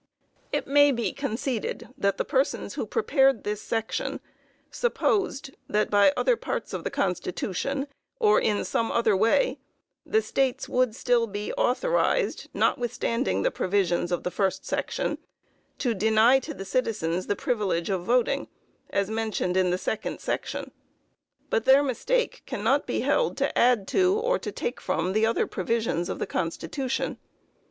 It may be conceded that the persons who prepared this section supposed, that, by other parts of the constitution, or in some other way, the States would still be authorized, notwithstanding the provisions of the first section, to deny to the citizens the privilege of voting, as mentioned in the second section; but their mistake cannot be held to add to, or to take from the other provisions of the constitution.